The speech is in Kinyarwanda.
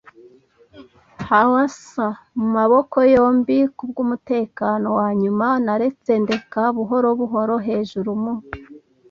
hawser mumaboko yombi kubwumutekano wanyuma, naretse ndeka buhoro buhoro hejuru. mu